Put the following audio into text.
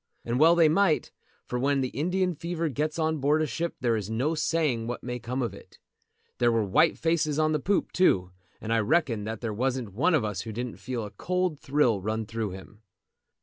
And well they might, for when the Indian fever gets on board a ship there is no saying what may come of it. There were white faces on the poop too, and I reckon that there wasn't one of us who didn't feel a cold thrill run through him.